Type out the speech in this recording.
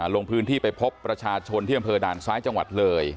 ลงพื้นที่ไปพบประชาชนที่อำเภอด่านซ้ายจังหวัดเลย